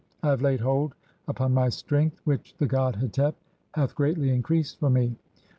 "I have laid hold upon my strength which the god Hetep hath "greatly increased for me.